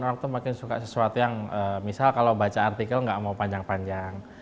orang tuh makin suka sesuatu yang misal kalau baca artikel nggak mau panjang panjang